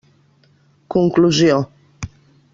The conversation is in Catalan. Conclusió.